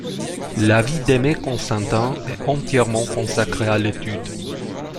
La vie d'Aimé Constantin est entièrement consacrée à l'étude.